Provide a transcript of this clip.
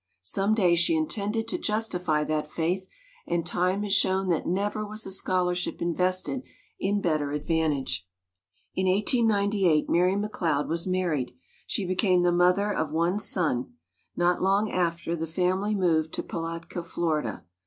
Some day she intended to justify that faith, and time has shown that never was a scholar ship invested to better advantage. In 1898 Mary McLeod was married. She became the mother of one son. Not long after, the family moved to Palatka, Florida.